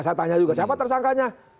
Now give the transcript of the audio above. saya tanya juga siapa tersangkanya